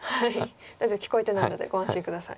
大丈夫聞こえてないのでご安心下さい。